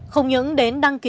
không những đến đăng ký